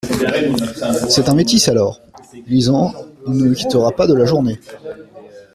C’est un métis alors ! lisant « il ne me quittera pas de la journée.